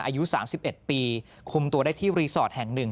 อายุ๓๑ปีคุมตัวได้ที่รีสอร์ทแห่ง๑